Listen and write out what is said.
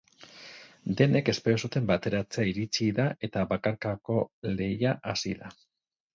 Denek espero zuten bateratzea iritsi da eta bakarkako lehia hasi da.